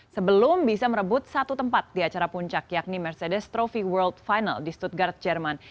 sebelum bisa merebut satu tempat di acara puncak yakni mercedes trofi world final di stut guard jerman